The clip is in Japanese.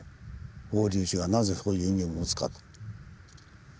法隆寺はなぜそういう意味を持つかと。